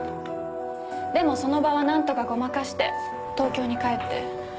でもその場は何とかごまかして東京に帰って。